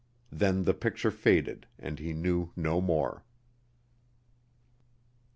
Then the picture faded and he knew no more.